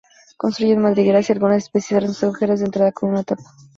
Construyen madrigueras, y algunas especies cierran sus agujeros de entrada con una tapa.